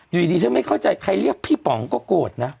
อยู่ดีฉันไม่เข้าใจใครเรียกพี่ป๋องก็โกรธนะ